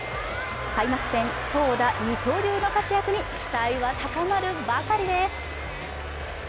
開幕戦、投打二刀流の活躍に期待は高まるばかりです。